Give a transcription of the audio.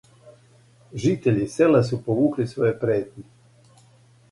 Житељи села су повукли своје претње.